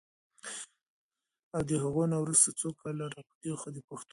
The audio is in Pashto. او د هغوی نه وروسته څو کاله را پدې خوا د پښتو ژبې